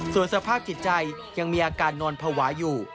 ส่วนสภาพจิตใจยังมีอาการนอนภาวะอยู่